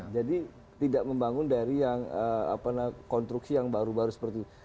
jadi tidak membangun dari yang kontruksi yang baru baru seperti itu